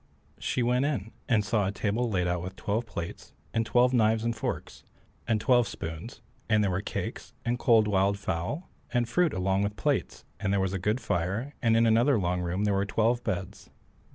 She went in, and saw a table laid out with twelve plates, and twelve knives and forks, and twelve spoons, and there were cakes, and cold wild fowl, and fruit along with the plates, and there was a good fire, and in another long room there were twelve beds.